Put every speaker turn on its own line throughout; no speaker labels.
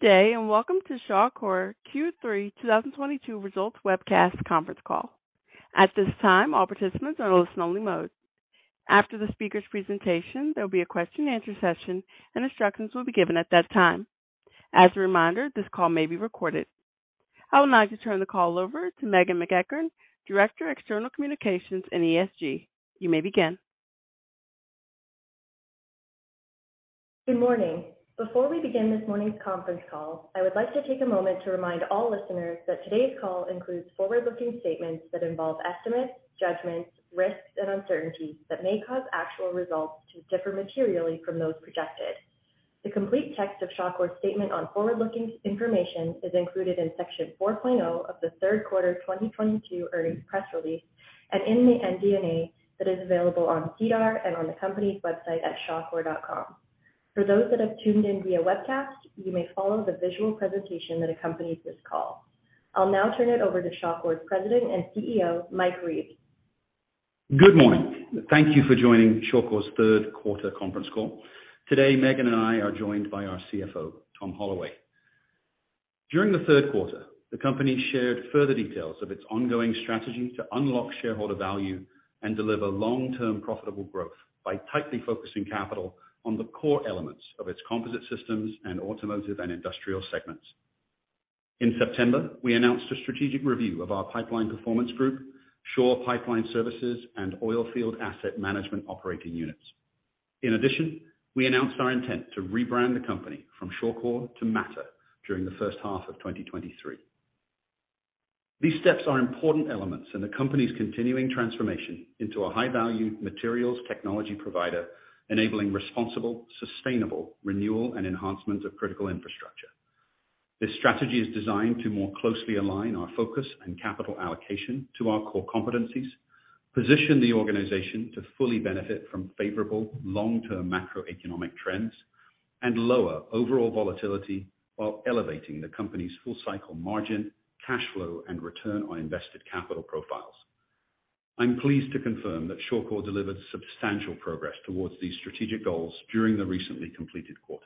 Good day, and welcome to Shawcor Q3 2022 Results Webcast Conference Call. At this time, all participants are in listen-only mode. After the speaker's presentation, there'll be a question and answer session and instructions will be given at that time. As a reminder, this call may be recorded. I'll now just turn the call over to Meghan MacEachern, Director, External Communications and ESG. You may begin.
Good morning. Before we begin this morning's conference call, I would like to take a moment to remind all listeners that today's call includes forward-looking statements that involve estimates, judgments, risks, and uncertainties that may cause actual results to differ materially from those projected. The complete text of Shawcor's statement on forward-looking information is included in section 4.0 of the third quarter 2022 earnings press release and in the MD&A that is available on SEDAR and on the company's website at Shawcor.com. For those that have tuned in via webcast, you may follow the visual presentation that accompanies this call. I'll now turn it over to Shawcor's President and CEO, Mike Reeves.
Good morning. Thank you for joining Shawcor's third quarter conference call. Today, Meghan and I are joined by our CFO, Tom Holloway. During the third quarter, the company shared further details of its ongoing strategy to unlock shareholder value and deliver long-term profitable growth by tightly focusing capital on the core elements of its composite systems and automotive and industrial segments. In September, we announced a strategic review of our pipeline performance group, Shaw Pipeline Services and Oilfield Asset Management operating units. In addition, we announced our intent to rebrand the company from Shawcor to Mattr during the first half of 2023. These steps are important elements in the company's continuing transformation into a high-value materials technology provider, enabling responsible, sustainable renewal and enhancement of critical infrastructure. This strategy is designed to more closely align our focus and capital allocation to our core competencies, position the organization to fully benefit from favorable long-term macroeconomic trends, and lower overall volatility while elevating the company's full cycle margin, cash flow, and return on invested capital profiles. I'm pleased to confirm that Mattr delivered substantial progress towards these strategic goals during the recently completed quarter.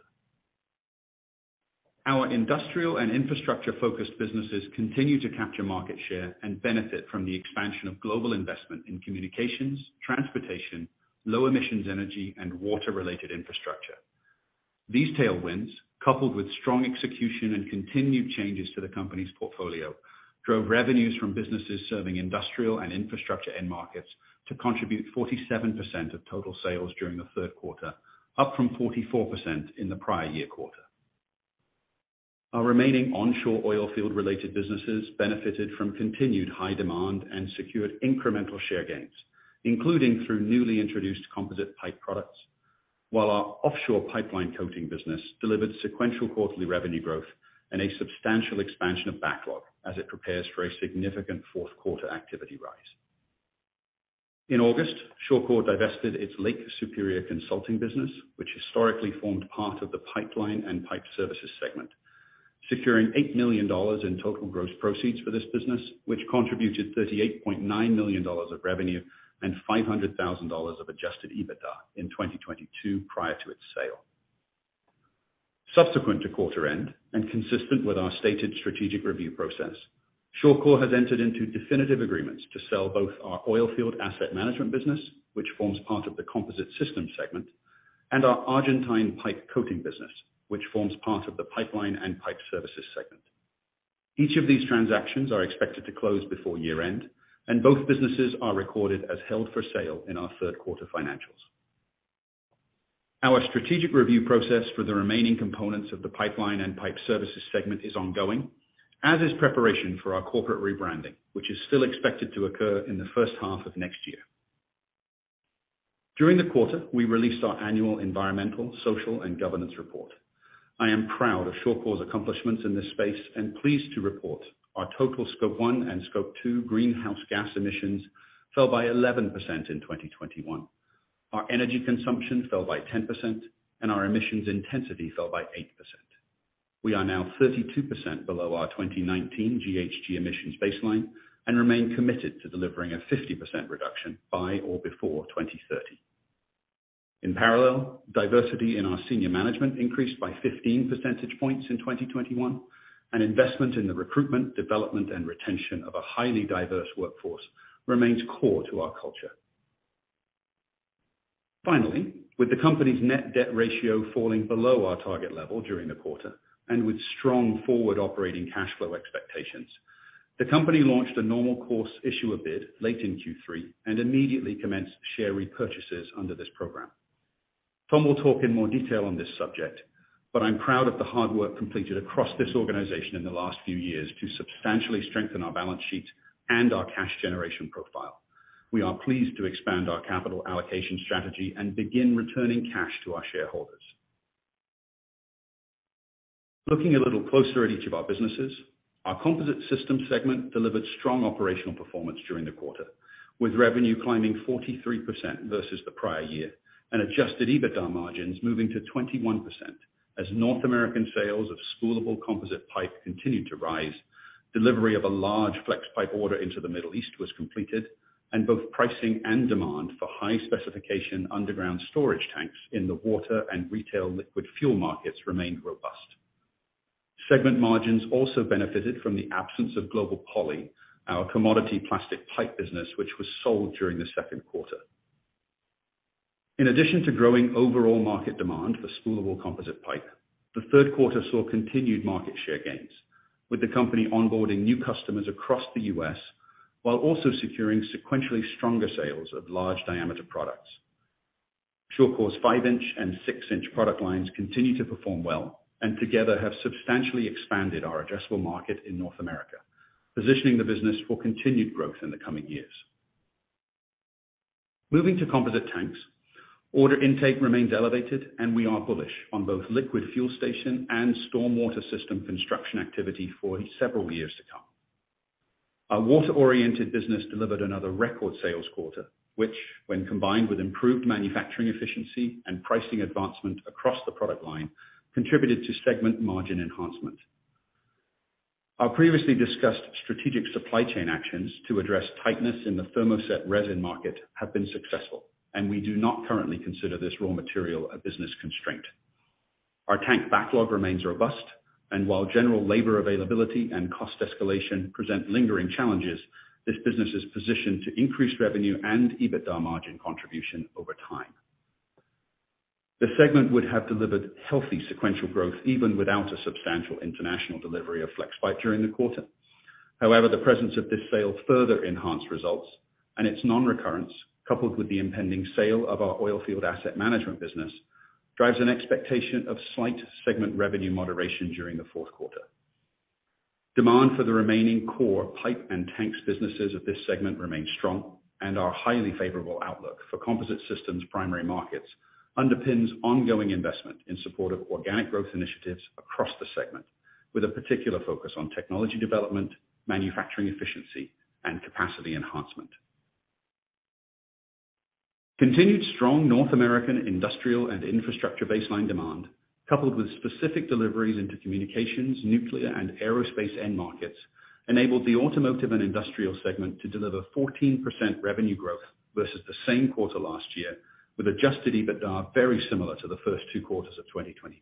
Our industrial and infrastructure-focused businesses continue to capture market share and benefit from the expansion of global investment in communications, transportation, low-emissions energy, and water-related infrastructure. These tailwinds, coupled with strong execution and continued changes to the company's portfolio, drove revenues from businesses serving industrial and infrastructure end markets to contribute 47% of total sales during the third quarter, up from 44% in the prior year quarter. Our remaining onshore oilfield-related businesses benefited from continued high demand and secured incremental share gains, including through newly introduced composite pipe products, while our offshore pipeline coating business delivered sequential quarterly revenue growth and a substantial expansion of backlog as it prepares for a significant fourth quarter activity rise. In August, Shawcor divested its Lake Superior Consulting business, which historically formed part of the pipeline and pipe services segment, securing 8 million dollars in total gross proceeds for this business, which contributed 38.9 million dollars of revenue and 500 thousand dollars of adjusted EBITDA in 2022 prior to its sale. Subsequent to quarter end, and consistent with our stated strategic review process, Shawcor has entered into definitive agreements to sell both our Oilfield Asset Management business, which forms part of the composite systems segment, and our Argentine pipe coating business, which forms part of the Pipeline and Pipe Services segment. Each of these transactions are expected to close before year-end, and both businesses are recorded as held for sale in our third quarter financials. Our strategic review process for the remaining components of the Pipeline and Pipe Services segment is ongoing, as is preparation for our corporate rebranding, which is still expected to occur in the first half of next year. During the quarter, we released our annual environmental, social, and governance report. I am proud of Mattr's accomplishments in this space and pleased to report our total Scope 1 and Scope 2 greenhouse gas emissions fell by 11% in 2021. Our energy consumption fell by 10%, and our emissions intensity fell by 8%. We are now 32% below our 2019 GHG emissions baseline and remain committed to delivering a 50% reduction by or before 2030. In parallel, diversity in our senior management increased by 15 percentage points in 2021, and investment in the recruitment, development, and retention of a highly diverse workforce remains core to our culture. Finally, with the company's net debt ratio falling below our target level during the quarter and with strong forward operating cash flow expectations, the company launched a Normal Course Issuer Bid late in Q3 and immediately commenced share repurchases under this program. Tom will talk in more detail on this subject, but I'm proud of the hard work completed across this organization in the last few years to substantially strengthen our balance sheet and our cash generation profile. We are pleased to expand our capital allocation strategy and begin returning cash to our shareholders. Looking a little closer at each of our businesses, our composite systems segment delivered strong operational performance during the quarter, with revenue climbing 43% versus the prior year and adjusted EBITDA margins moving to 21%. As North American sales of spoolable composite pipe continued to rise, delivery of a large Flexpipe order into the Middle East was completed. Both pricing and demand for high specification underground storage tanks in the water and retail liquid fuel markets remain robust. Segment margins also benefited from the absence of Global Poly, our commodity plastic pipe business, which was sold during the second quarter. In addition to growing overall market demand for spoolable composite pipe, the third quarter saw continued market share gains, with the company onboarding new customers across the U.S., while also securing sequentially stronger sales of large diameter products. Flexpipe five-inch and six-inch product lines continue to perform well, and together have substantially expanded our addressable market in North America, positioning the business for continued growth in the coming years. Moving to composite tanks, order intake remains elevated and we are bullish on both liquid fuel station and stormwater system construction activity for several years to come. Our water-oriented business delivered another record sales quarter, which when combined with improved manufacturing efficiency and pricing advancement across the product line, contributed to segment margin enhancement. Our previously discussed strategic supply chain actions to address tightness in the thermoset resin market have been successful, and we do not currently consider this raw material a business constraint. Our tank backlog remains robust, and while general labor availability and cost escalation present lingering challenges, this business is positioned to increase revenue and EBITDA margin contribution over time. The segment would have delivered healthy sequential growth even without a substantial international delivery of Flexpipe during the quarter. However, the presence of this sale further enhanced results, and its non-recurrence, coupled with the impending sale of our Oilfield Asset Management business, drives an expectation of slight segment revenue moderation during the fourth quarter. Demand for the remaining core pipe and tanks businesses of this segment remains strong, and our highly favorable outlook for composite systems' primary markets underpins ongoing investment in support of organic growth initiatives across the segment, with a particular focus on technology development, manufacturing efficiency, and capacity enhancement. Continued strong North American industrial and infrastructure baseline demand, coupled with specific deliveries into communications, nuclear, and aerospace end markets, enabled the automotive and industrial segment to deliver 14% revenue growth versus the same quarter last year, with adjusted EBITDA very similar to the first two quarters of 2022.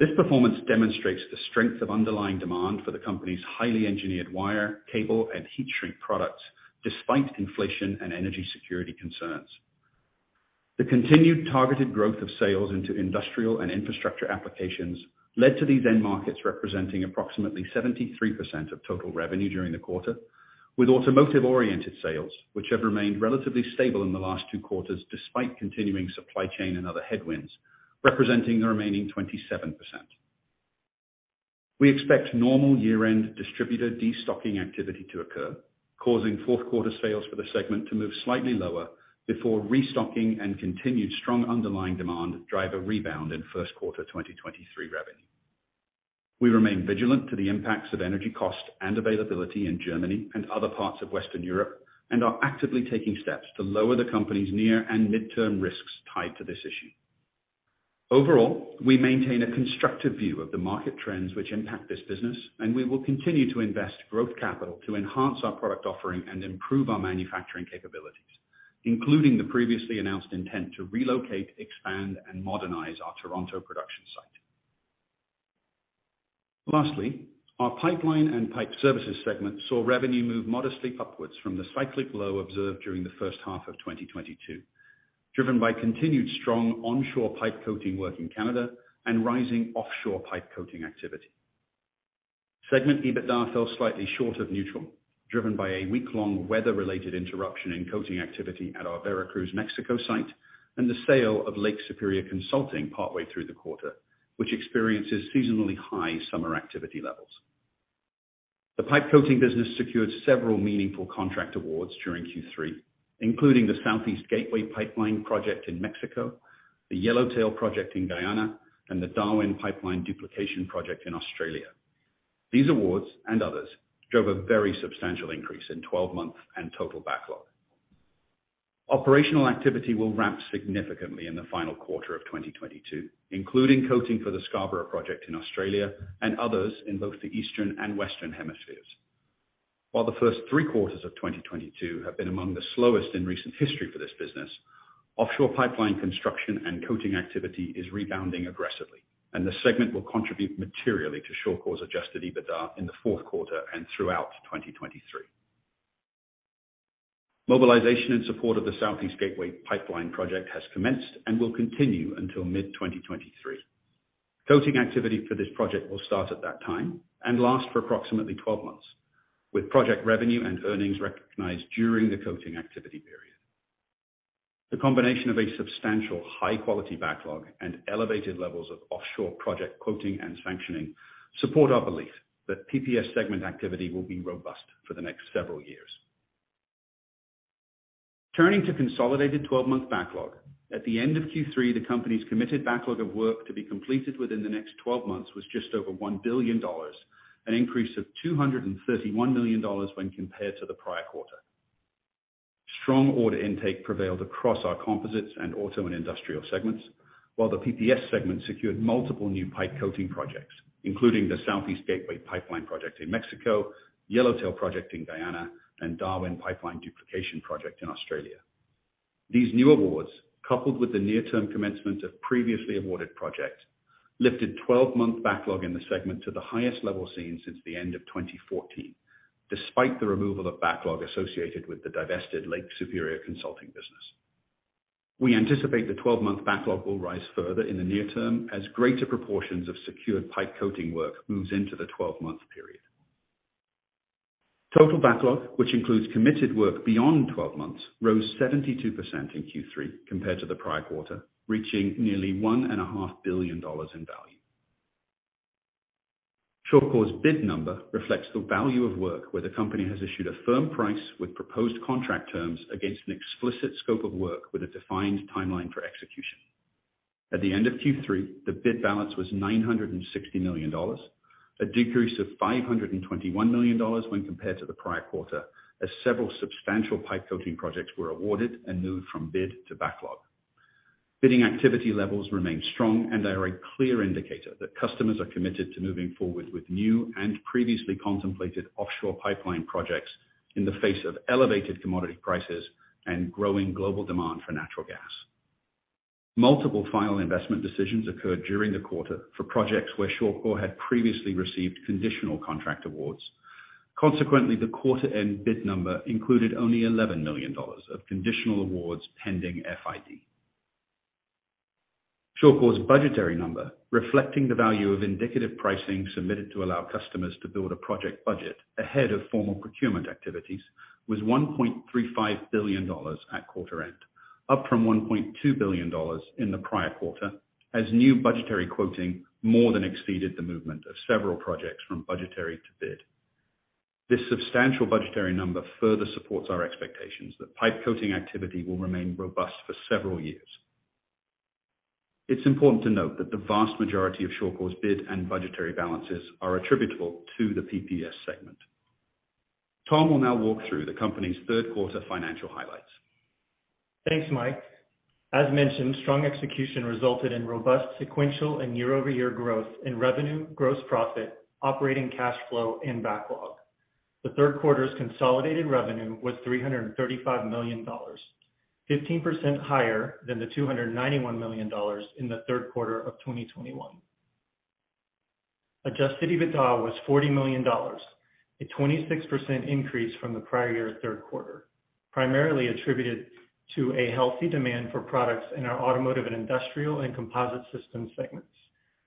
This performance demonstrates the strength of underlying demand for the company's highly engineered wire, cable, and heat shrink products, despite inflation and energy security concerns. The continued targeted growth of sales into industrial and infrastructure applications led to these end markets representing approximately 73% of total revenue during the quarter, with automotive-oriented sales, which have remained relatively stable in the last two quarters despite continuing supply chain and other headwinds, representing the remaining 27%. We expect normal year-end distributor destocking activity to occur, causing fourth quarter sales for the segment to move slightly lower before restocking and continued strong underlying demand drive a rebound in first quarter 2023 revenue. We remain vigilant to the impacts of energy cost and availability in Germany and other parts of Western Europe, and are actively taking steps to lower the company's near and midterm risks tied to this issue. Overall, we maintain a constructive view of the market trends which impact this business, and we will continue to invest growth capital to enhance our product offering and improve our manufacturing capabilities, including the previously announced intent to relocate, expand, and modernize our Toronto production site. Lastly, our pipeline and pipe services segment saw revenue move modestly upwards from the cyclic low observed during the first half of 2022, driven by continued strong onshore pipe coating work in Canada and rising offshore pipe coating activity. Segment EBITDA fell slightly short of neutral, driven by a week-long weather-related interruption in coating activity at our Veracruz, Mexico site and the sale of Lake Superior Consulting partway through the quarter, which experiences seasonally high summer activity levels. The pipe coating business secured several meaningful contract awards during Q3, including the Southeast Gateway Pipeline Project in Mexico, the Yellowtail Project in Guyana, and the Darwin Pipeline Duplication Project in Australia. These awards, and others, drove a very substantial increase in 12-month and total backlog. Operational activity will ramp significantly in the final quarter of 2022, including coating for the Scarborough Project in Australia and others in both the Eastern and Western hemispheres. While the first three quarters of 2022 have been among the slowest in recent history for this business, offshore pipeline construction and coating activity is rebounding aggressively, and the segment will contribute materially to Shawcor's adjusted EBITDA in the fourth quarter and throughout 2023. Mobilization in support of the Southeast Gateway Pipeline Project has commenced and will continue until mid-2023. Coating activity for this project will start at that time and last for approximately 12 months, with project revenue and earnings recognized during the coating activity period. The combination of a substantial high-quality backlog and elevated levels of offshore project quoting and sanctioning support our belief that PPS segment activity will be robust for the next several years. Turning to consolidated 12-month backlog. At the end of Q3, the company's committed backlog of work to be completed within the next 12 months was just over 1 billion dollars, an increase of 231 million dollars when compared to the prior quarter. Strong order intake prevailed across our Composites and Automotive & Industrial segments, while the PPS segment secured multiple new pipe coating projects, including the Southeast Gateway Pipeline Project in Mexico, Yellowtail Project in Guyana, and Darwin Pipeline Duplication Project in Australia. These new awards, coupled with the near term commencement of previously awarded projects, lifted 12-month backlog in the segment to the highest level seen since the end of 2014, despite the removal of backlog associated with the divested Lake Superior Consulting business. We anticipate the 12-month backlog will rise further in the near term as greater proportions of secured pipe coating work moves into the 12-month period. Total backlog, which includes committed work beyond 12 months, rose 72% in Q3 compared to the prior quarter, reaching nearly 1.5 billion dollars in value. Shawcor's bid number reflects the value of work where the company has issued a firm price with proposed contract terms against an explicit scope of work with a defined timeline for execution. At the end of Q3, the bid balance was 960 million dollars, a decrease of 521 million dollars when compared to the prior quarter, as several substantial pipe coating projects were awarded and moved from bid to backlog. Bidding activity levels remain strong and are a clear indicator that customers are committed to moving forward with new and previously contemplated offshore pipeline projects in the face of elevated commodity prices and growing global demand for natural gas. Multiple final investment decisions occurred during the quarter for projects where Mattr had previously received conditional contract awards. Consequently, the quarter end bid number included only 11 million dollars of conditional awards pending FID. Shawcor's budgetary number, reflecting the value of indicative pricing submitted to allow customers to build a project budget ahead of formal procurement activities, was $1.35 billion at quarter end, up from $1.2 billion in the prior quarter as new budgetary quoting more than exceeded the movement of several projects from budgetary to bid. This substantial budgetary number further supports our expectations that pipe coating activity will remain robust for several years. It's important to note that the vast majority of Shawcor's bid and budgetary balances are attributable to the PPS segment. Tom will now walk through the company's third quarter financial highlights.
Thanks, Mike. As mentioned, strong execution resulted in robust sequential and year-over-year growth in revenue, gross profit, operating cash flow, and backlog. The third quarter's consolidated revenue was $335 million, 15% higher than the $291 million in the third quarter of 2021. Adjusted EBITDA was $40 million, a 26% increase from the prior year third quarter, primarily attributed to a healthy demand for products in our automotive and industrial and composite systems segments,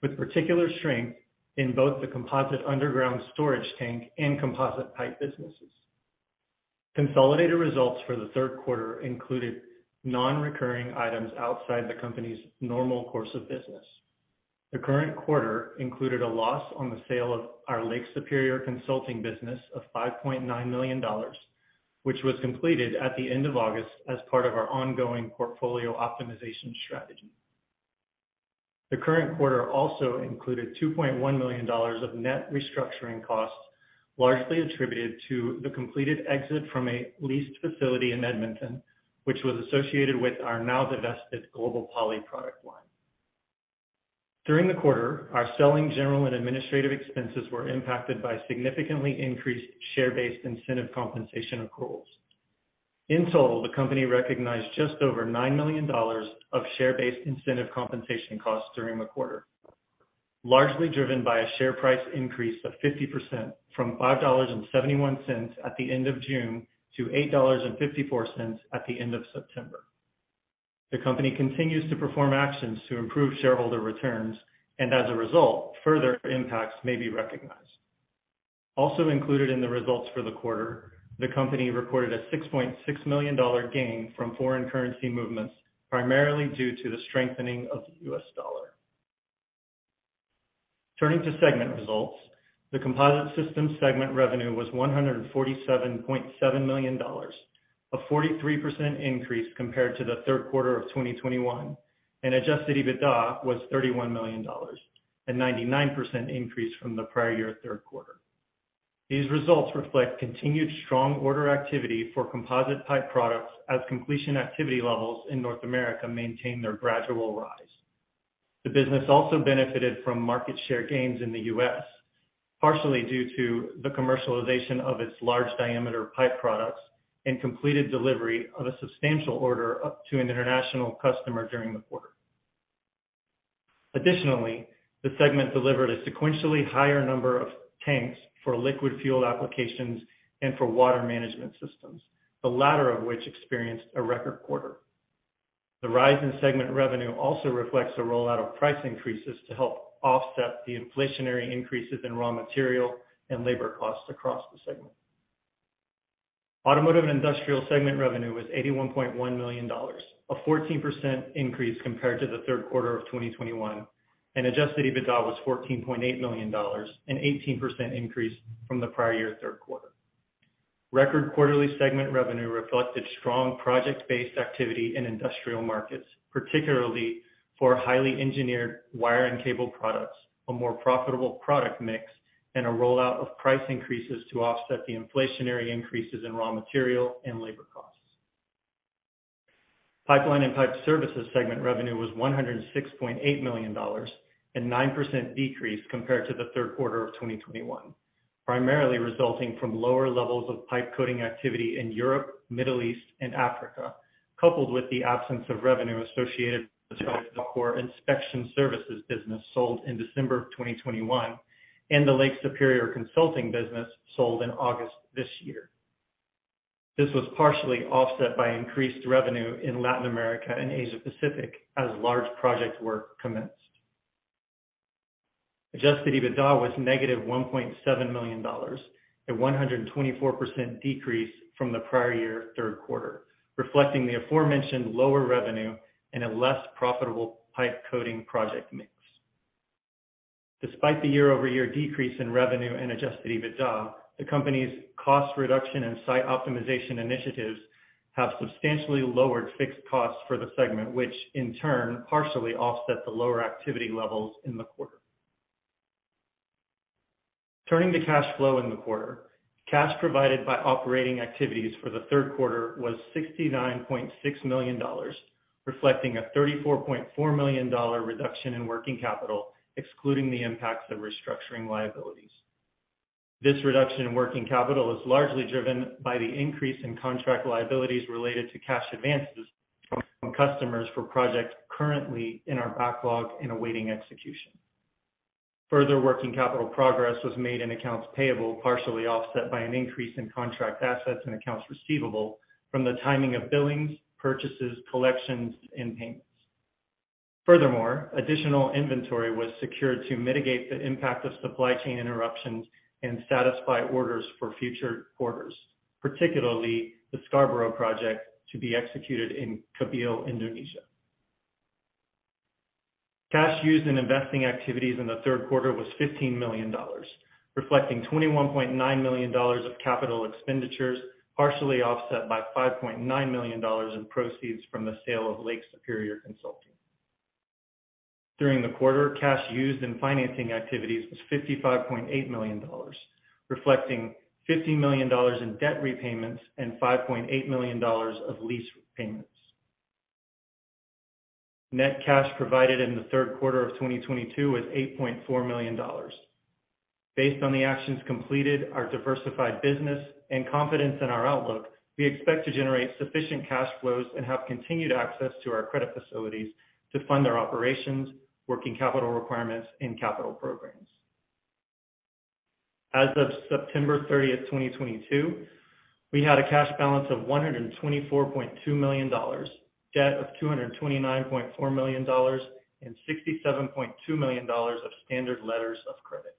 with particular strength in both the composite underground storage tank and composite pipe businesses. Consolidated results for the third quarter included non-recurring items outside the company's normal course of business. The current quarter included a loss on the sale of our Lake Superior Consulting business of 5.9 million dollars, which was completed at the end of August as part of our ongoing portfolio optimization strategy. The current quarter also included 2.1 million dollars of net restructuring costs, largely attributed to the completed exit from a leased facility in Edmonton, which was associated with our now-divested Global Poly product line. During the quarter, our selling, general and administrative expenses were impacted by significantly increased share-based incentive compensation accruals. In total, the company recognized just over 9 million dollars of share-based incentive compensation costs during the quarter, largely driven by a share price increase of 50% from 5.71 dollars at the end of June to 8.54 dollars at the end of September. The company continues to perform actions to improve shareholder returns and as a result, further impacts may be recognized. Also included in the results for the quarter, the company reported a 6.6 million dollar gain from foreign currency movements, primarily due to the strengthening of the U.S. dollar. Turning to segment results, the composite systems segment revenue was 147.7 million dollars, a 43% increase compared to the third quarter of 2021, and adjusted EBITDA was 31 million dollars, a 99% increase from the prior year third quarter. These results reflect continued strong order activity for composite pipe products as completion activity levels in North America maintain their gradual rise. The business also benefited from market share gains in the U.S., partially due to the commercialization of its large diameter pipe products and completed delivery of a substantial order to an international customer during the quarter. Additionally, the segment delivered a sequentially higher number of tanks for liquid fuel applications and for water management systems, the latter of which experienced a record quarter. The rise in segment revenue also reflects a rollout of price increases to help offset the inflationary increases in raw material and labor costs across the segment. Automotive and Industrial segment revenue was 81.1 million dollars, a 14% increase compared to the third quarter of 2021, and adjusted EBITDA was 14.8 million dollars, an 18% increase from the prior year third quarter. Record quarterly segment revenue reflected strong project-based activity in industrial markets, particularly for highly engineered wire and cable products, a more profitable product mix, and a rollout of price increases to offset the inflationary increases in raw material and labor costs. Pipeline and Pipe Services segment revenue was $106.8 million, a 9% decrease compared to the third quarter of 2021, primarily resulting from lower levels of pipe coating activity in Europe, Middle East and Africa, coupled with the absence of revenue associated with the core inspection services business sold in December of 2021 and the Lake Superior Consulting business sold in August this year. This was partially offset by increased revenue in Latin America and Asia-Pacific as large projects were commenced. Adjusted EBITDA was -1.7 million dollars, a 124% decrease from the prior year third quarter, reflecting the aforementioned lower revenue and a less profitable pipe coating project mix. Despite the year-over-year decrease in revenue and adjusted EBITDA, the company's cost reduction and site optimization initiatives have substantially lowered fixed costs for the segment, which in turn partially offset the lower activity levels in the quarter. Turning to cash flow in the quarter. Cash provided by operating activities for the third quarter was 69.6 million dollars, reflecting a 34.4 million dollar reduction in working capital, excluding the impacts of restructuring liabilities. This reduction in working capital is largely driven by the increase in contract liabilities related to cash advances from customers for projects currently in our backlog and awaiting execution. Further working capital progress was made in accounts payable, partially offset by an increase in contract assets and accounts receivable from the timing of billings, purchases, collections, and payments. Furthermore, additional inventory was secured to mitigate the impact of supply chain interruptions and satisfy orders for future quarters, particularly the Scarborough Project to be executed in Kabil, Indonesia. Cash used in investing activities in the third quarter was $15 million, reflecting $21.9 million of capital expenditures, partially offset by $5.9 million in proceeds from the sale of Lake Superior Consulting. During the quarter, cash used in financing activities was $55.8 million, reflecting $50 million in debt repayments and $5.8 million of lease payments. Net cash provided in the third quarter of 2022 was $8.4 million. Based on the actions completed, our diversified business and confidence in our outlook, we expect to generate sufficient cash flows and have continued access to our credit facilities to fund our operations, working capital requirements, and capital programs. As of September 30, 2022, we had a cash balance of $124.2 million, debt of $229.4 million, and $67.2 million of standard letters of credit.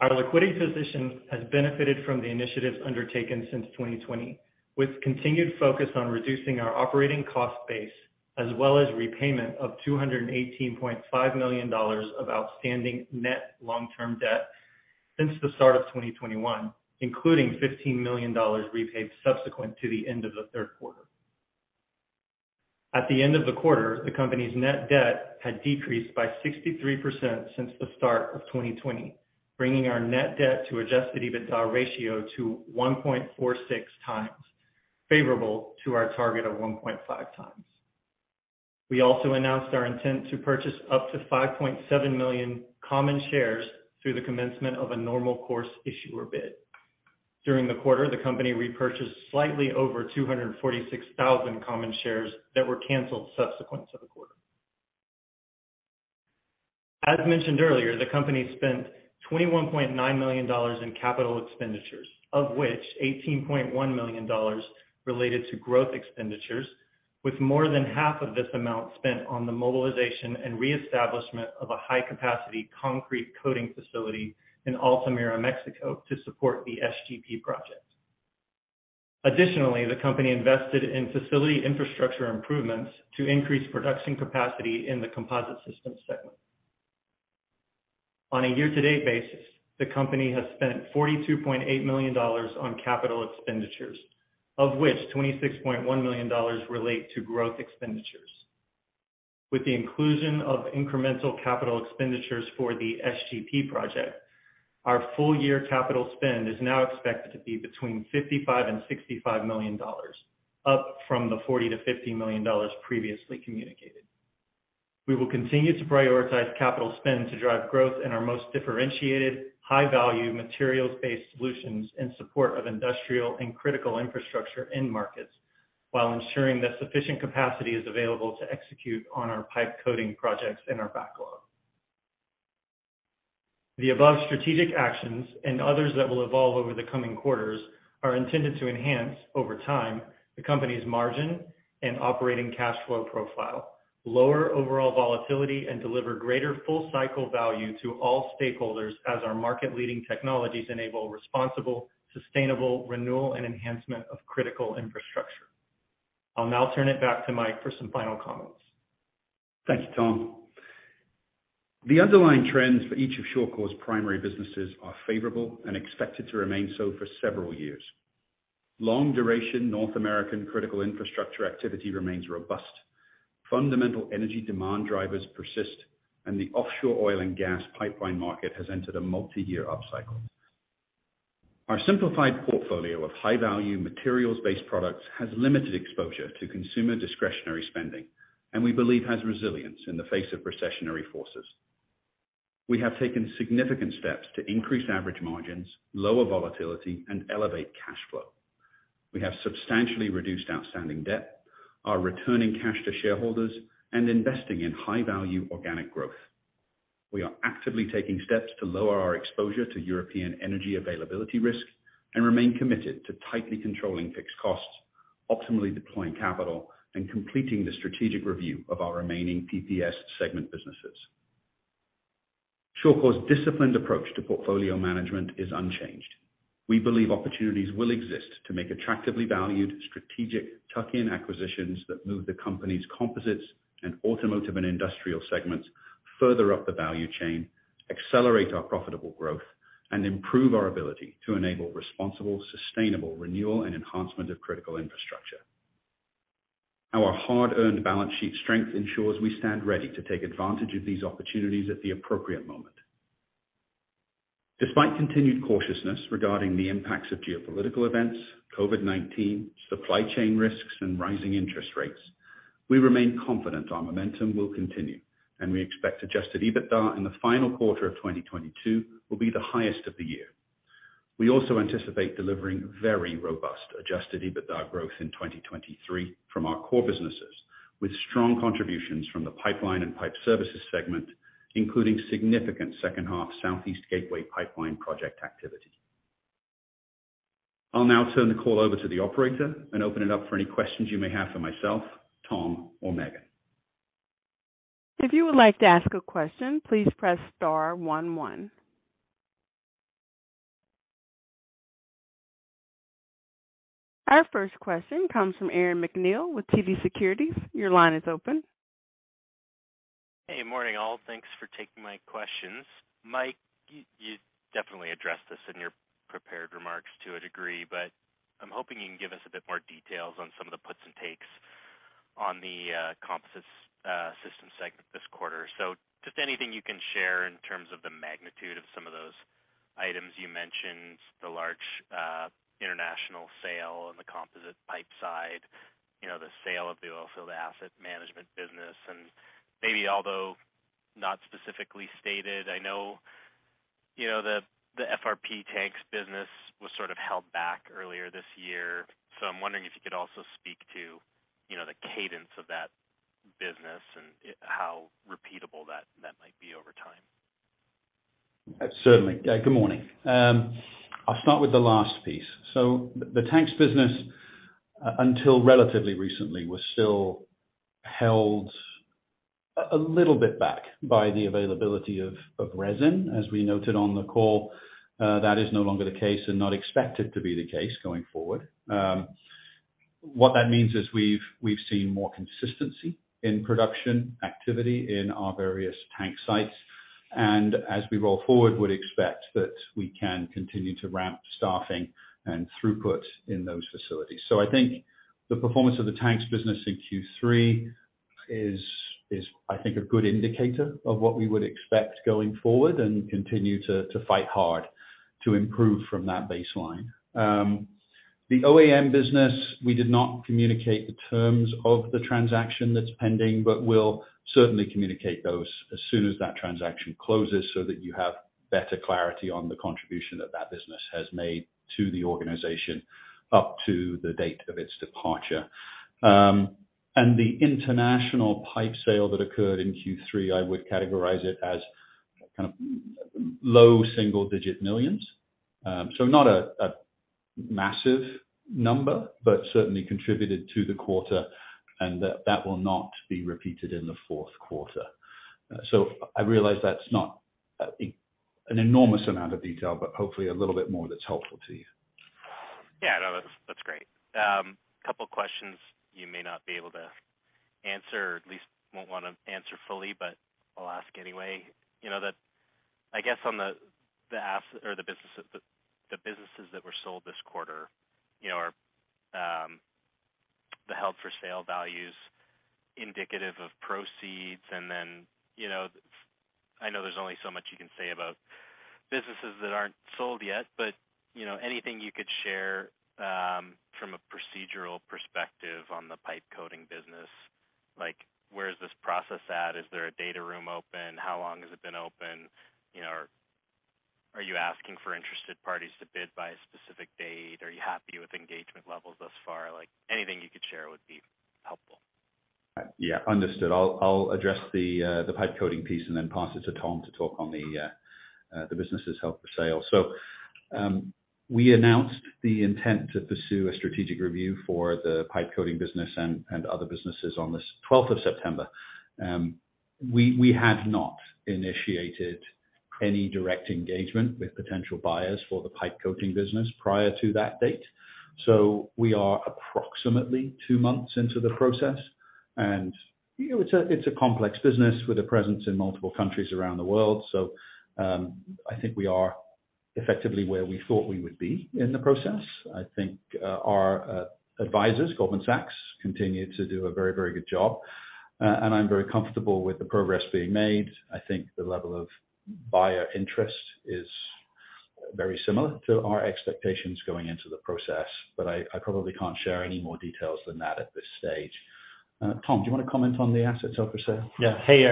Our liquidity position has benefited from the initiatives undertaken since 2020, with continued focus on reducing our operating cost base, as well as repayment of $218.5 million of outstanding net long-term debt since the start of 2021, including $15 million repaid subsequent to the end of the third quarter. At the end of the quarter, the company's net debt had decreased by 63% since the start of 2020, bringing our net debt to adjusted EBITDA ratio to 1.46x, favorable to our target of 1.5x. We also announced our intent to purchase up to 5.7 million common shares through the commencement of a Normal Course Issuer Bid. During the quarter, the company repurchased slightly over 246,000 common shares that were canceled subsequent to the quarter. As mentioned earlier, the company spent $21.9 million in capital expenditures, of which $18.1 million related to growth expenditures, with more than half of this amount spent on the mobilization and re-establishment of a high-capacity concrete coating facility in Altamira, Mexico to support the SGP Project. Additionally, the company invested in facility infrastructure improvements to increase production capacity in the composite systems segment. On a year-to-date basis, the company has spent 42.8 million dollars on capital expenditures, of which 26.1 million dollars relate to growth expenditures. With the inclusion of incremental capital expenditures for the SGP Project, our full year capital spend is now expected to be between 55 million and 65 million dollars, up from the 40 million-50 million dollars previously communicated. We will continue to prioritize capital spend to drive growth in our most differentiated, high-value, materials-based solutions in support of industrial and critical infrastructure end markets while ensuring that sufficient capacity is available to execute on our pipe coating projects in our backlog. The above strategic actions and others that will evolve over the coming quarters are intended to enhance, over time, the company's margin and operating cash flow profile, lower overall volatility, and deliver greater full cycle value to all stakeholders as our market-leading technologies enable responsible, sustainable renewal and enhancement of critical infrastructure. I'll now turn it back to Mike for some final comments.
Thank you, Tom. The underlying trends for each of Shawcor's primary businesses are favorable and expected to remain so for several years. Long duration North American critical infrastructure activity remains robust. Fundamental energy demand drivers persist, and the offshore oil and gas pipeline market has entered a multi-year upcycle. Our simplified portfolio of high-value materials-based products has limited exposure to consumer discretionary spending and we believe has resilience in the face of recessionary forces. We have taken significant steps to increase average margins, lower volatility, and elevate cash flow. We have substantially reduced outstanding debt, are returning cash to shareholders, and investing in high value organic growth. We are actively taking steps to lower our exposure to European energy availability risk and remain committed to tightly controlling fixed costs, optimally deploying capital, and completing the strategic review of our remaining PPS segment businesses. Shawcor's disciplined approach to portfolio management is unchanged. We believe opportunities will exist to make attractively valued strategic tuck-in acquisitions that move the company's composites and automotive and industrial segments further up the value chain, accelerate our profitable growth, and improve our ability to enable responsible, sustainable renewal and enhancement of critical infrastructure. Our hard-earned balance sheet strength ensures we stand ready to take advantage of these opportunities at the appropriate moment. Despite continued cautiousness regarding the impacts of geopolitical events, COVID-19, supply chain risks, and rising interest rates, we remain confident our momentum will continue, and we expect adjusted EBITDA in the final quarter of 2022 will be the highest of the year. We also anticipate delivering very robust adjusted EBITDA growth in 2023 from our core businesses, with strong contributions from the pipeline and pipe services segment, including significant H2 Southeast Gateway Pipeline Project activity. I'll now turn the call over to the operator and open it up for any questions you may have for myself, Tom, or Meghan.
If you would like to ask a question, please press star one one. Our first question comes from Aaron MacNeil with TD Cowen. Your line is open.
Hey, morning all. Thanks for taking my questions. Mike, you definitely addressed this in your prepared remarks to a degree, but I'm hoping you can give us a bit more details on some of the puts and takes on the composite systems segment this quarter. Just anything you can share in terms of the magnitude of some of those items you mentioned, the large international sale on the composite pipe side, you know, the sale of the Oilfield Asset Management business. Maybe although not specifically stated, I know, you know, the FRP tanks business was sort of held back earlier this year. I'm wondering if you could also speak to, you know, the cadence of that business and how repeatable that might be over time.
Certainly. Good morning. I'll start with the last piece. The tanks business, until relatively recently, was still held a little bit back by the availability of resin. As we noted on the call, that is no longer the case and not expected to be the case going forward. What that means is we've seen more consistency in production activity in our various tank sites, and as we roll forward, would expect that we can continue to ramp staffing and throughput in those facilities. I think the performance of the tanks business in Q3 is, I think, a good indicator of what we would expect going forward and continue to fight hard to improve from that baseline. The OAM business, we did not communicate the terms of the transaction that's pending, but we'll certainly communicate those as soon as that transaction closes so that you have better clarity on the contribution that that business has made to the organization up to the date of its departure. The international pipe sale that occurred in Q3, I would categorize it as kind of low single-digit millions CAD. Not a massive number, but certainly contributed to the quarter and that will not be repeated in the fourth quarter. I realize that's not an enormous amount of detail, but hopefully a little bit more that's helpful to you.
Yeah. No, that's great. A couple of questions you may not be able to answer, at least won't want to answer fully, but I'll ask anyway. You know, I guess on the businesses that were sold this quarter, you know, are the held for sale values indicative of proceeds. I know there's only so much you can say about businesses that aren't sold yet, but you know, anything you could share from a procedural perspective on the pipe coating business, like where is this process at? Is there a data room open? How long has it been open? You know, are you asking for interested parties to bid by a specific date? Are you happy with engagement levels thus far? Like, anything you could share would be helpful.
Yeah. Understood. I'll address the pipe coating piece and then pass it to Tom to talk on the businesses held for sale. We announced the intent to pursue a strategic review for the pipe coating business and other businesses on the twelfth of September. We had not initiated any direct engagement with potential buyers for the pipe coating business prior to that date. We are approximately two months into the process. You know, it's a complex business with a presence in multiple countries around the world. I think we are effectively where we thought we would be in the process. I think our advisors, Goldman Sachs, continue to do a very, very good job. I'm very comfortable with the progress being made. I think the level of buyer interest is very similar to our expectations going into the process, but I probably can't share any more details than that at this stage. Tom, do you wanna comment on the assets up for sale?
Yeah. Hey,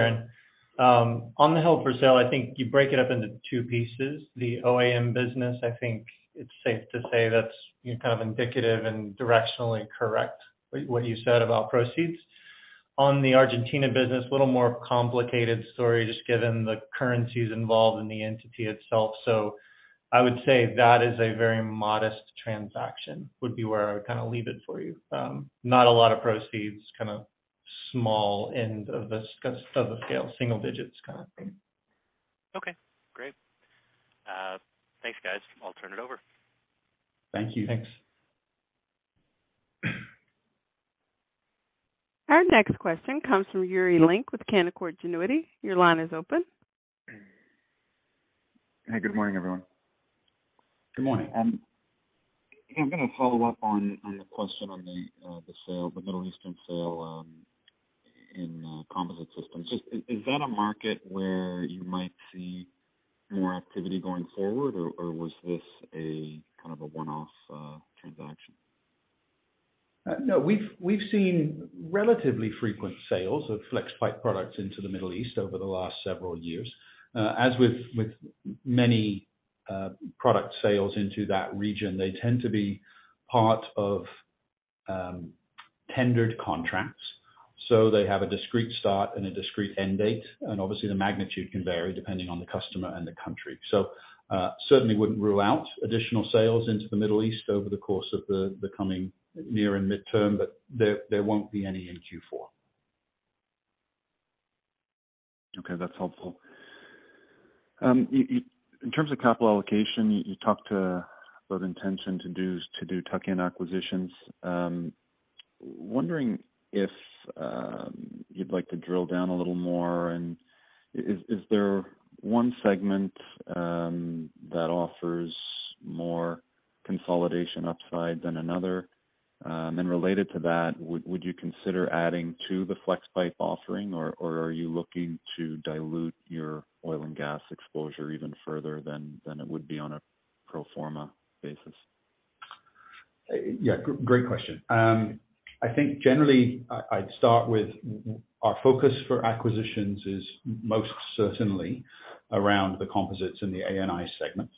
Aaron. On the held for sale, I think you break it up into two pieces. The OAM business, I think it's safe to say that's kind of indicative and directionally correct, what you said about proceeds. On the Argentina business, little more complicated story just given the currencies involved in the entity itself. I would say that is a very modest transaction, would be where I would kind of leave it for you. Not a lot of proceeds, kind of small end of the scale, single digits kind of thing.
Okay, great. Thanks, guys. I'll turn it over.
Thank you.
Thanks.
Our next question comes from Yuri Lynk with Canaccord Genuity. Your line is open.
Hi, good morning, everyone.
Good morning.
I'm gonna follow up on a question on the sale, the Middle Eastern sale, in composite systems. Is that a market where you might see more activity going forward, or was this a kind of a one-off transaction?
No. We've seen relatively frequent sales of Flexpipe products into the Middle East over the last several years. As with many product sales into that region, they tend to be part of tendered contracts, so they have a discrete start and a discrete end date, and obviously the magnitude can vary depending on the customer and the country. Certainly wouldn't rule out additional sales into the Middle East over the course of the coming near and midterm, but there won't be any in Q4.
Okay, that's helpful. In terms of capital allocation, you talked about the intention to do tuck-in acquisitions. Wondering if you'd like to drill down a little more and is there one segment that offers more consolidation upside than another? Related to that, would you consider adding to the Flexpipe offering, or are you looking to dilute your oil and gas exposure even further than it would be on a pro forma basis?
Yeah, great question. I think generally I'd start with our focus for acquisitions is most certainly around the Composites in the A&I segment.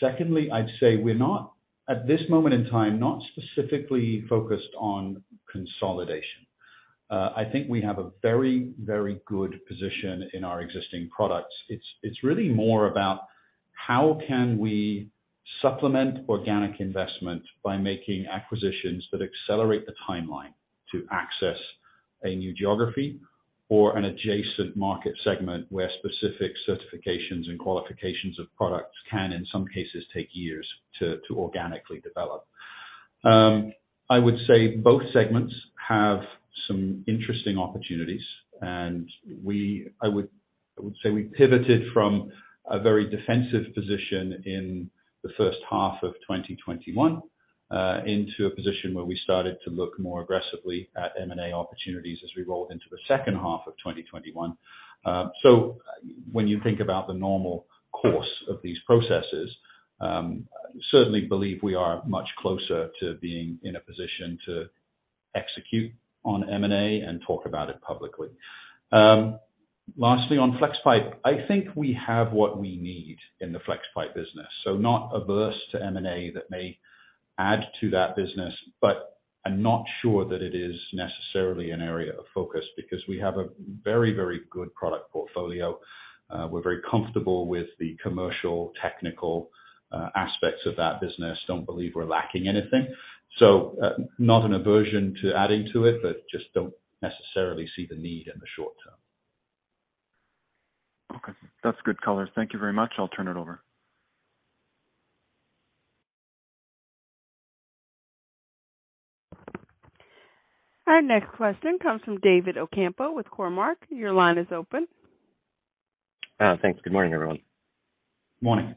Secondly, I'd say we're not, at this moment in time, not specifically focused on consolidation. I think we have a very, very good position in our existing products. It's really more about how can we supplement organic investment by making acquisitions that accelerate the timeline to access a new geography or an adjacent market segment where specific certifications and qualifications of products can, in some cases, take years to organically develop. I would say both segments have some interesting opportunities. I would say we pivoted from a very defensive position in the first half of 2021 into a position where we started to look more aggressively at M&A opportunities as we rolled into the H2 of 2021. When you think about the normal course of these processes, certainly believe we are much closer to being in a position to execute on M&A and talk about it publicly. Lastly, on Flexpipe, I think we have what we need in the Flexpipe business. Not averse to M&A that may add to that business, but I'm not sure that it is necessarily an area of focus because we have a very, very good product portfolio. We're very comfortable with the commercial, technical aspects of that business. Don't believe we're lacking anything. Not an aversion to adding to it, but just don't necessarily see the need in the short term.
Okay. That's good color. Thank you very much. I'll turn it over.
Our next question comes from David Ocampo with Cormark. Your line is open.
Thanks. Good morning, everyone.
Morning.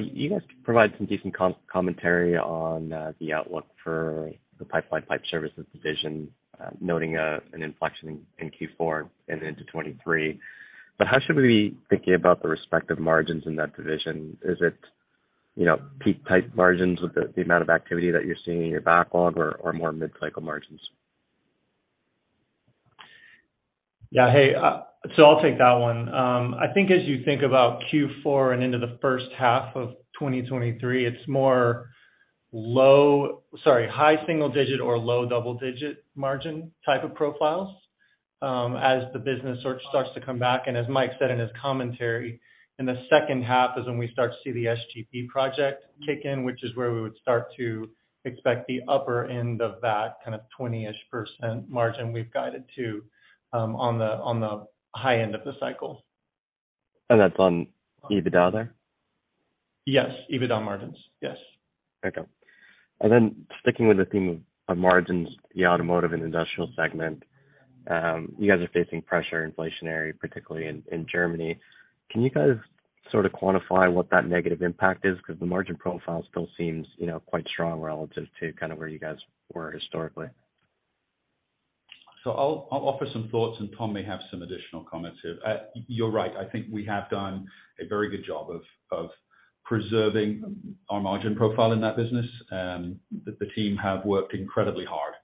You guys provide some decent commentary on the outlook for the Pipeline Services Division, noting an inflection in Q4 and into 2023. How should we be thinking about the respective margins in that division? Is it, you know, peak type margins with the amount of activity that you're seeing in your backlog or more mid-cycle margins?
Yeah. Hey, so I'll take that one. I think as you think about Q4 and into the first half of 2023, it's more high single-digit or low double-digit margin type of profiles, as the business sort of starts to come back. As Mike said in his commentary, in the H2 is when we start to see the SGP Project kick in, which is where we would start to expect the upper end of that kind of 20-ish% margin we've guided to, on the high end of the cycle.
That's on EBITDA there?
Yes, EBITDA margins. Yes.
Okay. Sticking with the theme of margins, the Automotive & Industrial segment, you guys are facing inflationary pressure, particularly in Germany. Can you guys sort of quantify what that negative impact is? Because the margin profile still seems, you know, quite strong relative to kind of where you guys were historically.
I'll offer some thoughts, and Tom may have some additional comments here. You're right. I think we have done a very good job of preserving our margin profile in that business. The team have worked incredibly hard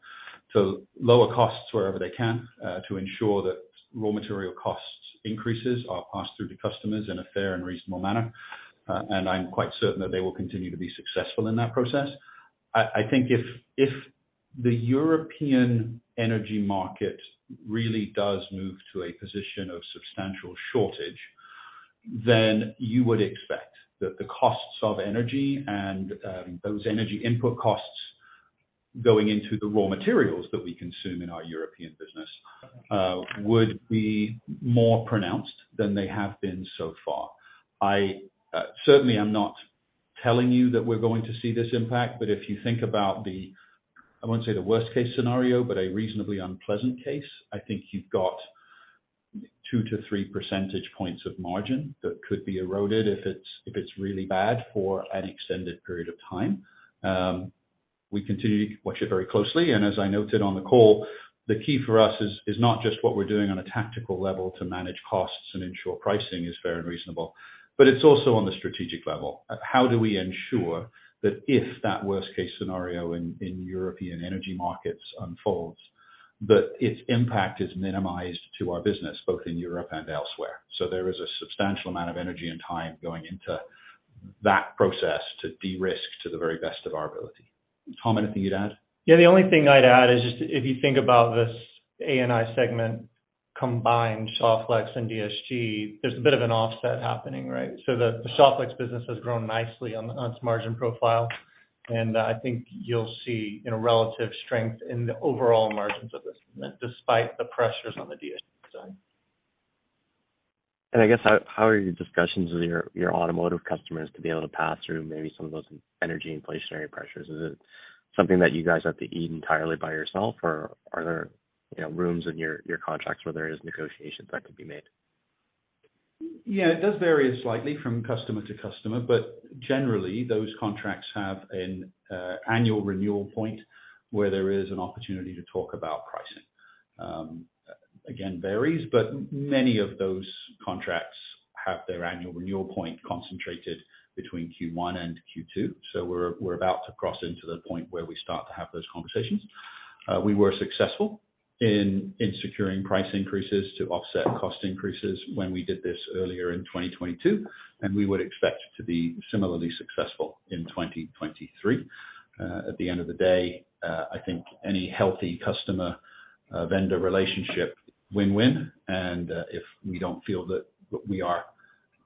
to lower costs wherever they can, to ensure that raw material cost increases are passed through to customers in a fair and reasonable manner. I'm quite certain that they will continue to be successful in that process. I think if the European energy market really does move to a position of substantial shortage, then you would expect that the costs of energy and those energy input costs going into the raw materials that we consume in our European business would be more pronounced than they have been so far. I certainly am not telling you that we're going to see this impact, but if you think about the, I won't say the worst case scenario, but a reasonably unpleasant case, I think you've got 2-3 percentage points of margin that could be eroded if it's really bad for an extended period of time. We continue to watch it very closely, and as I noted on the call, the key for us is not just what we're doing on a tactical level to manage costs and ensure pricing is fair and reasonable, but it's also on the strategic level of how do we ensure that if that worst case scenario in European energy markets unfolds, that its impact is minimized to our business both in Europe and elsewhere. There is a substantial amount of energy and time going into that process to de-risk to the very best of our ability. Tom, anything you'd add?
Yeah. The only thing I'd add is just if you think about this A&I segment combined, Shawflex and DSG-Canusa, there's a bit of an offset happening, right? The Shawflex business has grown nicely on its margin profile, and I think you'll see, you know, relative strength in the overall margins of this despite the pressures on the DSG-Canusa side.
I guess how are your discussions with your automotive customers to be able to pass through maybe some of those energy inflationary pressures? Is it something that you guys have to eat entirely by yourself, or are there, you know, rooms in your contracts where there is negotiations that could be made?
Yeah. It does vary slightly from customer to customer, but generally, those contracts have an annual renewal point where there is an opportunity to talk about pricing. Again, varies, but many of those contracts have their annual renewal point concentrated between Q1 and Q2, so we're about to cross into the point where we start to have those conversations. We were successful in securing price increases to offset cost increases when we did this earlier in 2022, and we would expect to be similarly successful in 2023. At the end of the day, I think any healthy customer-vendor relationship, win-win, and if we don't feel that we are,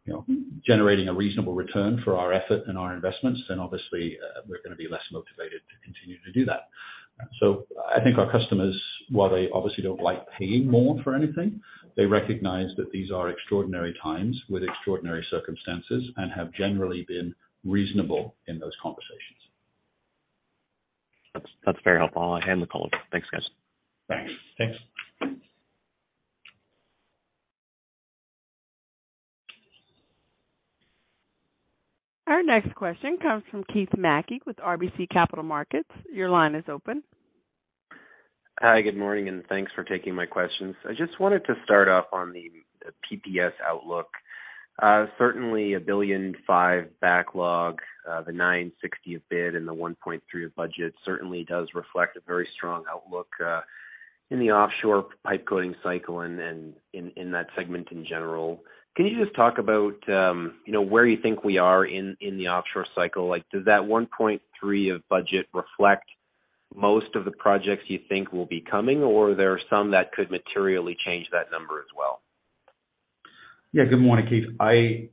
you know, generating a reasonable return for our effort and our investments, then obviously, we're gonna be less motivated to continue to do that. I think our customers, while they obviously don't like paying more for anything, they recognize that these are extraordinary times with extraordinary circumstances and have generally been reasonable in those conversations.
That's very helpful. I'll hand the call over. Thanks, guys.
Thanks.
Thanks.
Our next question comes from Keith Mackey with RBC Capital Markets. Your line is open.
Hi. Good morning, and thanks for taking my questions. I just wanted to start off on the PPS outlook. Certainly, 1.5 billion backlog, the 960 million bid and the 1.3 billion budget certainly does reflect a very strong outlook in the offshore pipe coating cycle and then in that segment in general. Can you just talk about, you know, where you think we are in the offshore cycle? Like, does that 1.3 billion budget reflect most of the projects you think will be coming, or are there some that could materially change that number as well?
Yeah. Good morning, Keith. I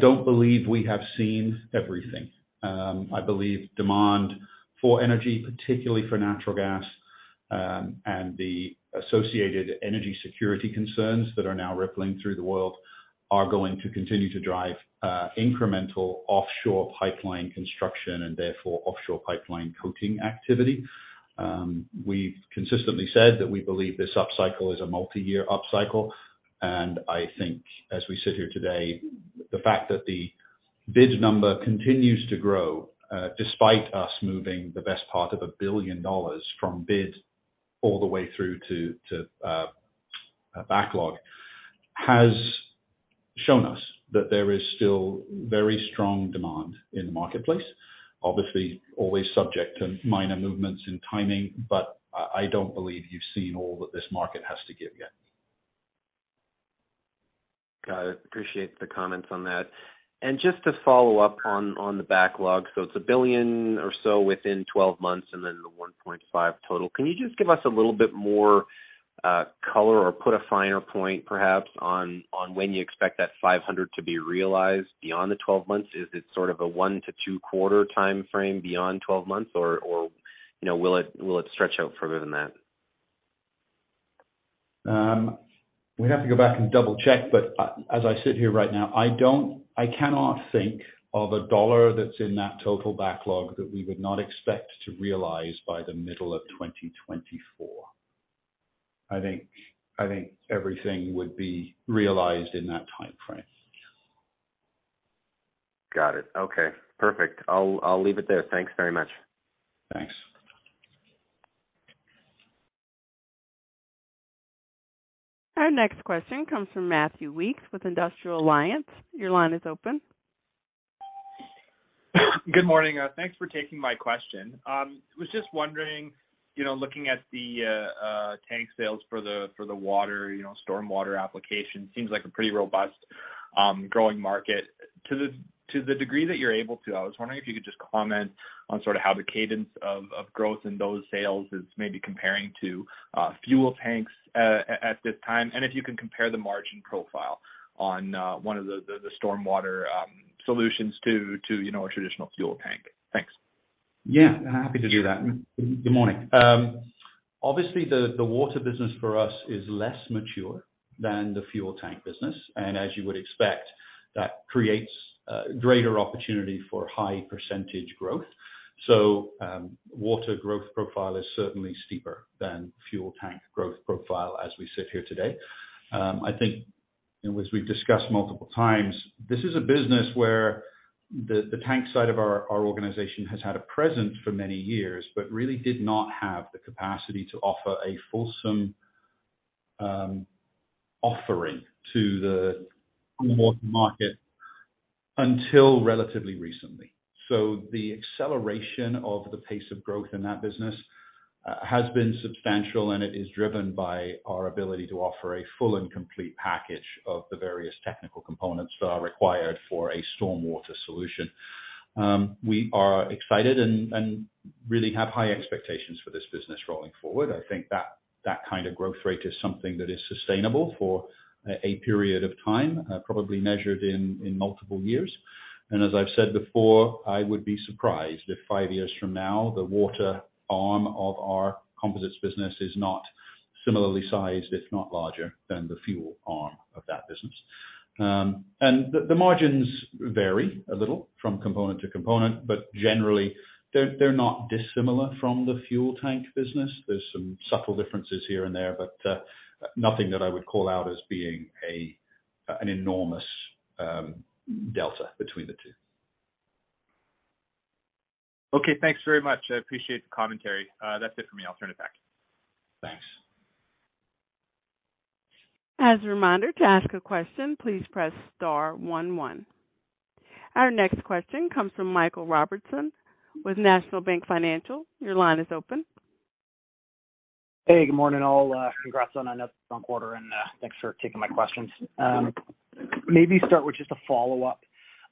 don't believe we have seen everything. I believe demand for energy, particularly for natural gas, and the associated energy security concerns that are now rippling through the world are going to continue to drive incremental offshore pipeline construction, and therefore, offshore pipeline coating activity. We've consistently said that we believe this upcycle is a multiyear upcycle, and I think as we sit here today, the fact that the bid number continues to grow, despite us moving the best part of $1 billion from bid all the way through to backlog, has shown us that there is still very strong demand in the marketplace, obviously, always subject to minor movements in timing, but I don't believe you've seen all that this market has to give yet.
Got it. Appreciate the comments on that. Just to follow up on the backlog, so it's 1 billion or so within 12 months and then the 1.5 billion total. Can you just give us a little bit more color or put a finer point perhaps on when you expect that 500 to be realized beyond the 12 months? Is it sort of a one- to two-quarter timeframe beyond 12 months or, you know, will it stretch out further than that?
We'd have to go back and double check, but as I sit here right now, I cannot think of a dollar that's in that total backlog that we would not expect to realize by the middle of 2024. I think everything would be realized in that timeframe.
Got it. Okay, perfect. I'll leave it there. Thanks very much.
Thanks.
Our next question comes from Matthew Weekes with Industrial Alliance. Your line is open.
Good morning. Thanks for taking my question. Was just wondering, you know, looking at the tank sales for the water, you know, storm water application, seems like a pretty robust growing market. To the degree that you're able to, I was wondering if you could just comment on sort of how the cadence of growth in those sales is maybe comparing to fuel tanks at this time, and if you can compare the margin profile on one of the stormwater solutions to you know, a traditional fuel tank. Thanks.
Yeah, happy to do that. Good morning. Obviously the water business for us is less mature than the fuel tank business and as you would expect, that creates greater opportunity for high percentage growth. Water growth profile is certainly steeper than fuel tank growth profile as we sit here today. I think, as we've discussed multiple times, this is a business where the tank side of our organization has had a presence for many years, but really did not have the capacity to offer a fulsome offering to the stormwater market until relatively recently. The acceleration of the pace of growth in that business has been substantial, and it is driven by our ability to offer a full and complete package of the various technical components that are required for a stormwater solution. We are excited and really have high expectations for this business rolling forward. I think that kind of growth rate is something that is sustainable for a period of time, probably measured in multiple years. I would be surprised if five years from now, the water arm of our composites business is not similarly sized, if not larger, than the fuel arm of that business. The margins vary a little from component to component, but generally they're not dissimilar from the fuel tank business. There's some subtle differences here and there, but nothing that I would call out as being an enormous delta between the two.
Okay, thanks very much. I appreciate the commentary. That's it for me. I'll turn it back.
Thanks.
As a reminder, to ask a question, please press star one. Our next question comes from Michael Storry-Robertson with National Bank Financial. Your line is open.
Hey, good morning, all. Congrats on another strong quarter, and thanks for taking my questions. Maybe start with just a follow-up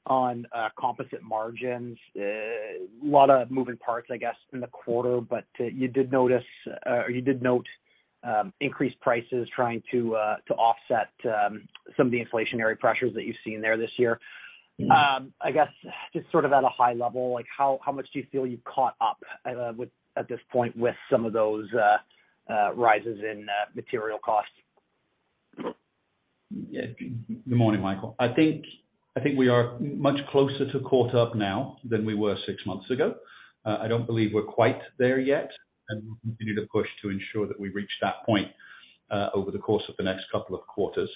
on composite margins. A lot of moving parts, I guess, in the quarter, but you did notice or you did note increased prices trying to offset some of the inflationary pressures that you've seen there this year. I guess just sort of at a high level, like how much do you feel you've caught up at this point with some of those rises in material costs?
Yeah. Good morning, Michael. I think we are much closer to caught up now than we were six months ago. I don't believe we're quite there yet, and we need to push to ensure that we reach that point over the course of the next couple of quarters.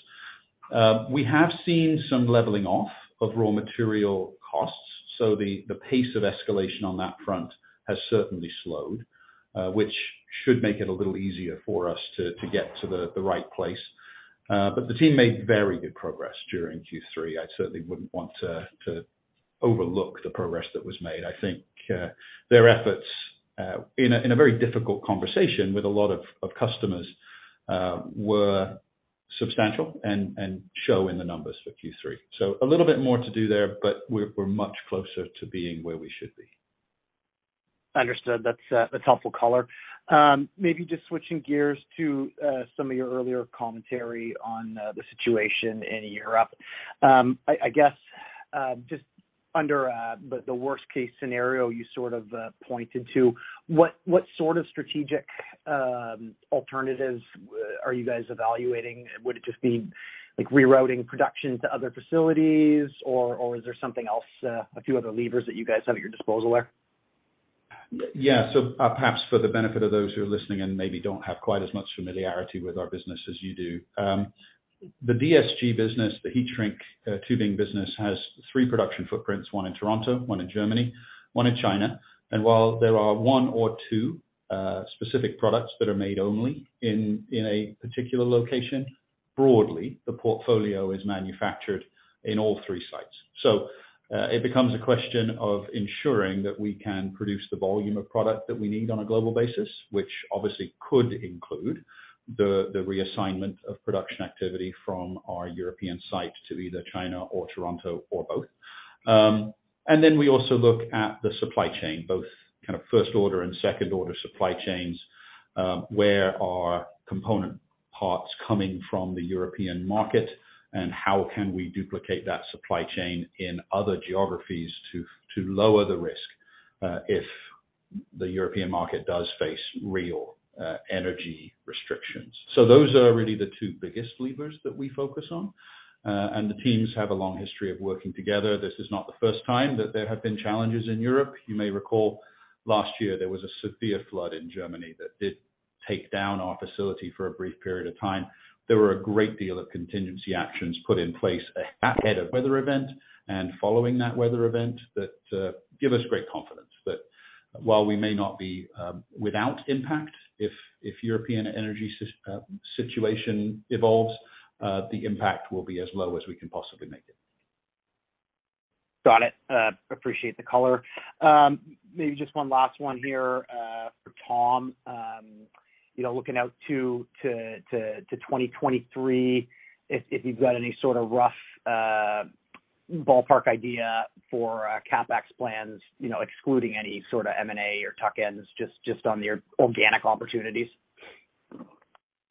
We have seen some leveling off of raw material costs, so the pace of escalation on that front has certainly slowed, which should make it a little easier for us to get to the right place. But the team made very good progress during Q3. I certainly wouldn't want to overlook the progress that was made. I think their efforts in a very difficult conversation with a lot of customers were substantial and show in the numbers for Q3. A little bit more to do there, but we're much closer to being where we should be.
Understood. That's helpful color. Maybe just switching gears to some of your earlier commentary on the situation in Europe. I guess just under the worst case scenario you sort of pointed to, what sort of strategic alternatives are you guys evaluating? Would it just be like rerouting production to other facilities or is there something else, a few other levers that you guys have at your disposal there?
Yeah. Perhaps for the benefit of those who are listening and maybe don't have quite as much familiarity with our business as you do, the DSG-Canusa business, the heat-shrink tubing business has three production footprints, one in Toronto, one in Germany, one in China. While there are one or two specific products that are made only in a particular location, broadly, the portfolio is manufactured in all three sites. It becomes a question of ensuring that we can produce the volume of product that we need on a global basis, which obviously could include the reassignment of production activity from our European site to either China or Toronto or both. We also look at the supply chain, both kind of first order and second order supply chains, where are component parts coming from the European market and how can we duplicate that supply chain in other geographies to lower the risk, if the European market does face real energy restrictions. Those are really the two biggest levers that we focus on. The teams have a long history of working together. This is not the first time that there have been challenges in Europe. You may recall last year there was a severe flood in Germany that did take down our facility for a brief period of time. There were a great deal of contingency actions put in place ahead of weather event and following that weather event that give us great confidence that while we may not be without impact, if European energy situation evolves, the impact will be as low as we can possibly make it.
Got it. Appreciate the color. Maybe just one last one here for Tom. You know, looking out to 2023, if you've got any sort of rough ballpark idea for CapEx plans, you know, excluding any sort of M&A or tuck-ins, just on your organic opportunities.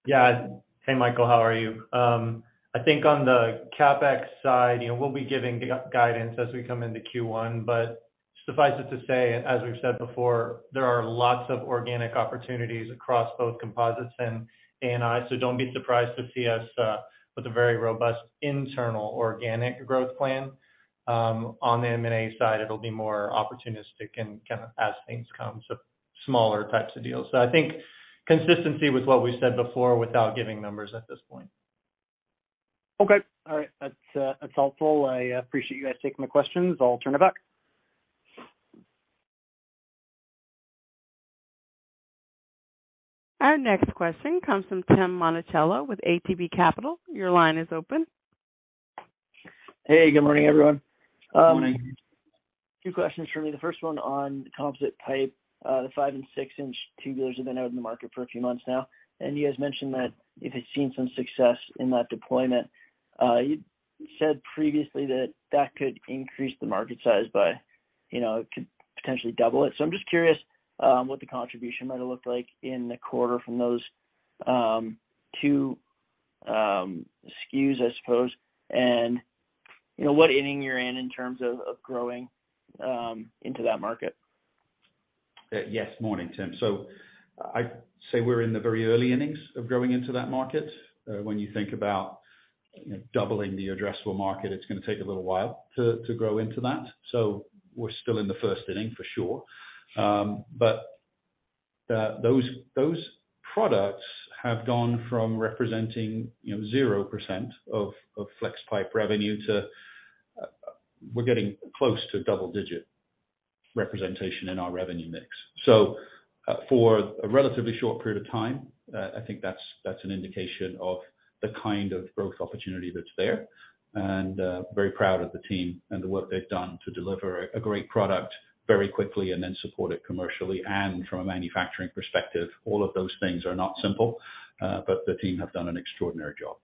Yeah. Hey, Michael Robertson, how are you? I think on the CapEx side, you know, we'll be giving guidance as we come into Q1. Suffice it to say, as we've said before, there are lots of organic opportunities across both composites and A&I. Don't be surprised to see us with a very robust internal organic growth plan. On the M&A side, it'll be more opportunistic and kind of as things come, so smaller types of deals. I think consistency with what we said before without giving numbers at this point.
Okay. All right. That's helpful. I appreciate you guys taking my questions. I'll turn it back.
Our next question comes from Tim Monachello with ATB Capital. Your line is open.
Hey, good morning, everyone.
Morning.
Two questions for me. The first one on composite pipe, the five- and six-inch tubulars have been out in the market for a few months now, and you guys mentioned that you had seen some success in that deployment. You said previously that that could increase the market size by, you know, it could potentially double it. I'm just curious, what the contribution might have looked like in the quarter from those, two SKUs, I suppose, and, you know, what inning you're in in terms of growing into that market.
Yes. Morning, Tim. I'd say we're in the very early innings of growing into that market. When you think about, you know, doubling the addressable market, it's gonna take a little while to grow into that. We're still in the first inning for sure. But those products have gone from representing, you know, 0% of Flexpipe revenue to, we're getting close to double-digit representation in our revenue mix. For a relatively short period of time, I think that's an indication of the kind of growth opportunity that's there. Very proud of the team and the work they've done to deliver a great product very quickly and then support it commercially. From a manufacturing perspective, all of those things are not simple, but the team have done an extraordinary job.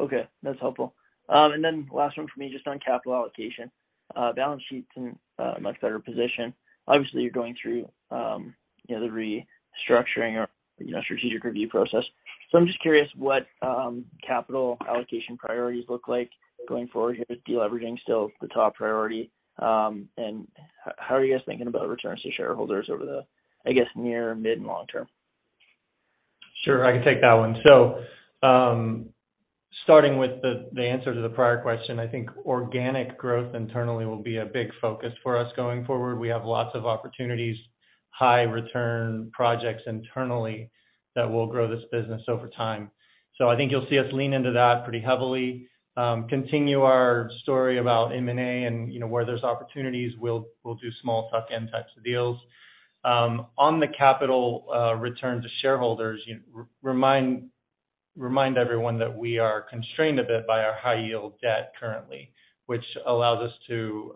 Okay, that's helpful. Last one for me, just on capital allocation. Balance sheet's in a much better position. Obviously, you're going through the restructuring or strategic review process. I'm just curious what capital allocation priorities look like going forward here with deleveraging still the top priority. How are you guys thinking about returns to shareholders over the, I guess, near, mid, and long term?
Sure, I can take that one. Starting with the answer to the prior question, I think organic growth internally will be a big focus for us going forward. We have lots of opportunities, high return projects internally that will grow this business over time. I think you'll see us lean into that pretty heavily, continue our story about M&A and, you know, where there's opportunities, we'll do small tuck-in types of deals. On the capital return to shareholders, remind everyone that we are constrained a bit by our high yield debt currently, which allows us to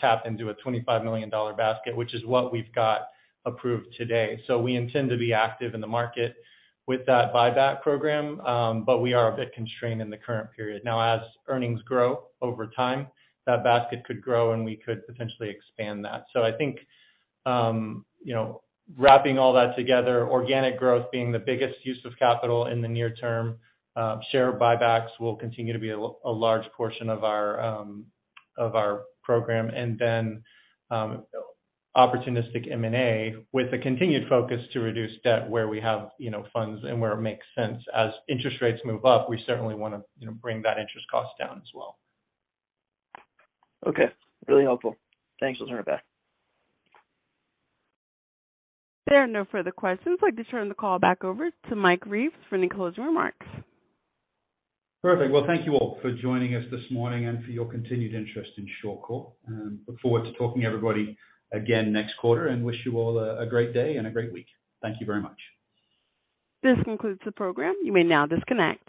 tap into a 25 million dollar basket, which is what we've got approved today. We intend to be active in the market with that buyback program, but we are a bit constrained in the current period. Now, as earnings grow over time, that basket could grow, and we could potentially expand that. I think, you know, wrapping all that together, organic growth being the biggest use of capital in the near term, share buybacks will continue to be a large portion of our program. Opportunistic M&A with the continued focus to reduce debt where we have, you know, funds and where it makes sense. As interest rates move up, we certainly wanna, you know, bring that interest cost down as well.
Okay, really helpful. Thanks.
We'll turn it back.
There are no further questions. I'd like to turn the call back over to Mike Reeves for any closing remarks.
Perfect. Well, thank you all for joining us this morning and for your continued interest in Shawcor. Look forward to talking to everybody again next quarter and wish you all a great day and a great week. Thank you very much.
This concludes the program. You may now disconnect.